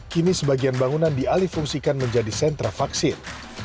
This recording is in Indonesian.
kini sebagian bangunan dialih fungsikan menjadi sentra vaksin